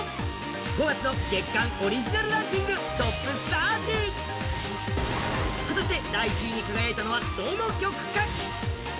５月の月間オリジナルランキング果たして第１位に輝いたのはどの曲か。